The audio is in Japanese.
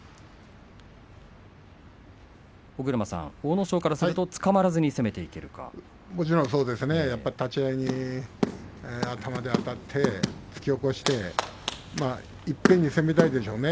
尾車さん、阿武咲からすると立ち合いに頭であたって突き起こしていっぺんに攻めたいでしょうね。